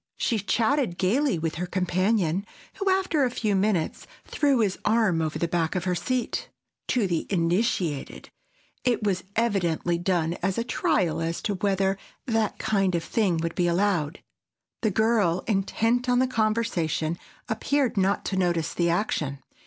She chatted gaily with her companion, who, after a few minutes, threw his arm over the back of her seat. To the initiated, it was evidently done as a trial as to whether that kind of thing would be allowed. The girl, intent on the conversation, appeared not to notice the action.